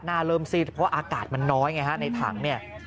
หน้าเริ่มซีดเพราะว่าอากาศมันน้อยไงในถัง